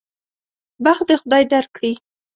بخت دې خدای درکړي.